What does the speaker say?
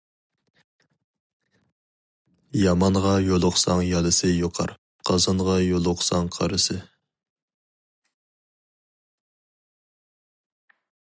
يامانغا يولۇقساڭ يالىسى يۇقار، قازانغا يولۇقساڭ قارىسى.